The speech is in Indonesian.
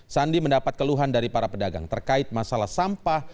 sandi mendapat keluhan dari para pedagang terkait masalah sampah